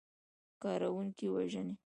کارکوونکي وژني.